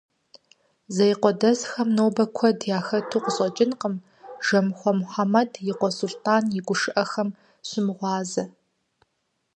Зеикъуэдэсхэм нобэ куэд яхэту къыщӏэкӏынкъым Жэмыхъуэ Мухьэмэд и къуэ Сулътӏан и гушыӏэхэм щымыгъуазэ.